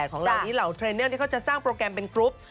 ๒๐๑๘ของเรานี่เหล่าเทรนเนอร์เนี่ยก็จะสร้างโปรแกรมเป็นกรุ๊ป